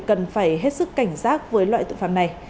cần phải hết sức cảnh giác với loại tội phạm này